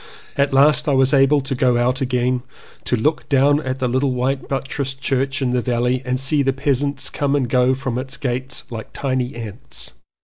At last I was able to go out again, to look down at the little white buttressed church in the valley and see the peasants come and go from its gates like tiny ants.